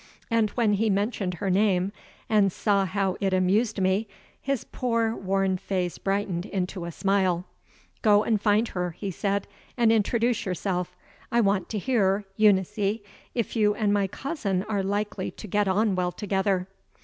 And when he mentioned her name, and saw how it amused me, his poor worn face brightened into a smile. "Go and find her," he said, "and introduce yourself. I want to hear, Eunice, if you and my cousin are likely to get on well together."